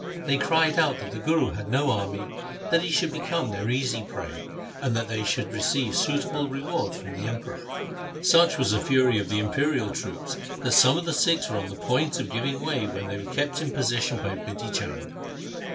They cried out that the Guru bad no army, that he should become their easy prey, and that they should receive suitable rewards from the Emperor. Such was the fury of the imperial troops that some of the Sikhs were on the point of giving way when they were kept in position by Bidhi Chand.